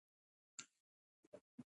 يو غټ هډوکی په ګوتو ورغی.